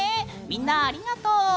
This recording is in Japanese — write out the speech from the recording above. みんな、ありがとう！